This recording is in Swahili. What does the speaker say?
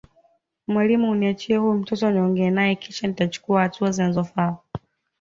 mwalimu uniachie huyu mtoto niongea naye kisha nitachukua hatua zinazofaa